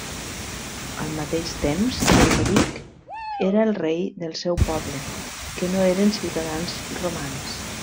Al mateix temps, Teodoric era el rei del seu poble, que no eren ciutadans romans.